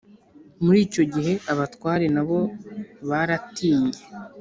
Muri icyo gihe, Abatware nabo baratinye